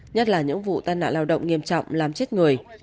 nhất là những vụ tai nạn lao động nghiêm trọng làm chết người